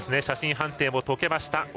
写真判定も解けました。